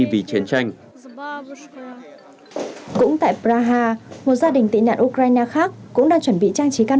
vì truyền tranh cũng tại praha một gia đình tị nạn ukraine khác cũng đang chuẩn bị trang trí căn